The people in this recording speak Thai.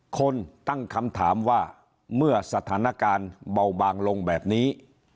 คนตั้งคำถามว่าเมื่อสถานการณ์เบาบางลงแบบนี้